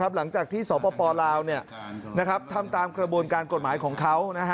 หลังจากที่สปลาวทำตามกระบวนการกฎหมายของเขา